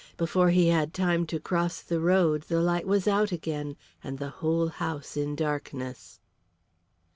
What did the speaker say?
Before he had time to cross the road the light was out again, and the whole house in darkness.